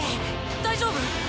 大丈夫？